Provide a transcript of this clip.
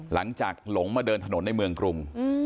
หลังจากหลงมาเดินถนนในเมืองกรุง